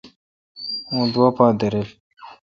اہ دوہ پہ درل۔